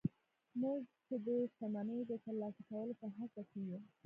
موږ چې د شتمني د ترلاسه کولو په هڅه کې يو.